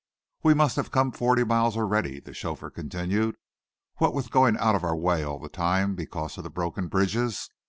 "We must have come forty miles already," the chauffeur continued, "what with going out of our way all the time because of the broken bridges.